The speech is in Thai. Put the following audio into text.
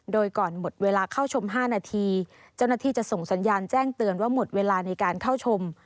โดยก่อนหมดเวลาเข้าชม๕นาทีเจ้าหน้าที่จะส่งสัญญาณแจ้งเตือนว่าหมดเวลาในการเข้าชม